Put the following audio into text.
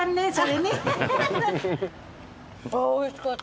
あおいしかった。